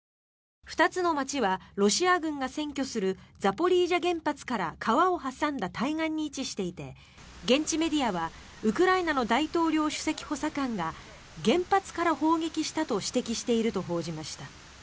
２つの街はロシア軍が占拠するザポリージャ原発から川を挟んだ対岸に位置していて現地メディアはウクライナの大統領首席補佐官が原発から砲撃したと指摘していると報じました。